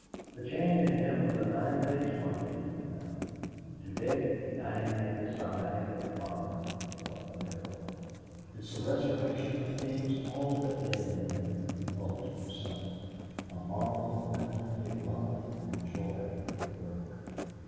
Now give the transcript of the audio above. The change in him was a nine days' wonder to the town. To Dick, dining at his side out at the farm, it was a miracle. "It's a resurrection of things all but dead in him," he thought to himself, "a marvel that only love and joy could work."